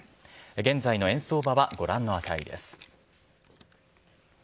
現在の円相場はご覧の値です。